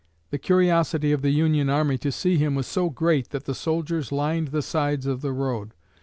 The curiosity of the Union Army to see him was so great that the soldiers lined the sides of the road.